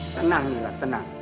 tenang nila tenang